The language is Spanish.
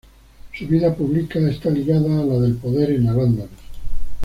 Su vida pública está ligada a la del poder en al-Ándalus.